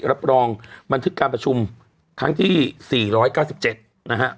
รับรองบันทึกการประชุมครั้งที่๔๙๗นะฮะ